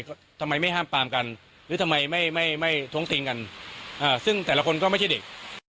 ก็ทำไมไม่ห้ามปามกันหรือทำไมไม่ไม่ท้วงติงกันซึ่งแต่ละคนก็ไม่ใช่เด็ก